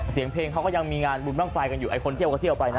เสียงเพลงเขาก็ยังมีงานบุญบ้างไฟกันอยู่ไอคนเที่ยวก็เที่ยวไปนะ